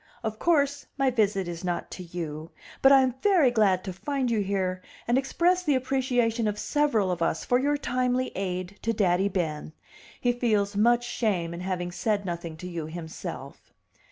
"Of course my visit is not to you; but I am very glad to find you here and express the appreciation of several of us for your timely aid to Daddy Ben. He feels much shame in having said nothing to you himself."